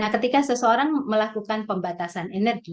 nah ketika seseorang melakukan pembatasan energi